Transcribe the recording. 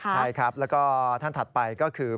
ใช่ครับแล้วก็ท่านถัดไปก็คือ